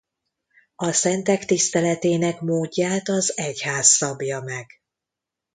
A szentek tiszteletének módját az egyház szabja meg.